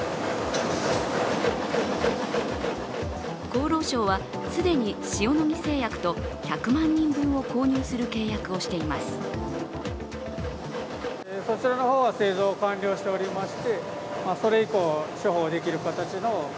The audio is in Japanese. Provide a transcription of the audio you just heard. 厚労省は既に塩野義製薬と１００万人分を購入する契約をしています。